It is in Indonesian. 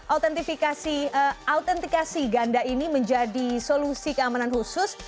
autentikasi ganda ini menjadi solusi keamanan khusus